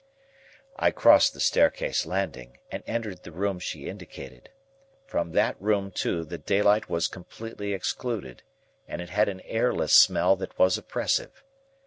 I crossed the staircase landing, and entered the room she indicated. From that room, too, the daylight was completely excluded, and it had an airless smell that was oppressive.